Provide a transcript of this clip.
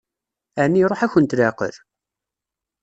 Ɛni iṛuḥ-akent leɛqel?